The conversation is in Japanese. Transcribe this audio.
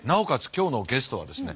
今日のゲストはですね